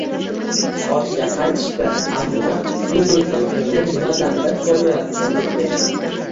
Ortga qaytishdi, ammo Yulduzning ko`ngli nimadandir to`lmayotgandek edi